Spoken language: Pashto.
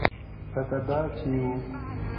لکه دای چې و.